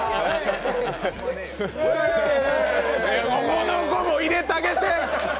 この子も入れたげて。